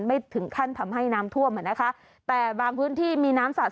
ไม่ถึงขั้นทำให้น้ำท่วมอ่ะนะคะแต่บางพื้นที่มีน้ำสัด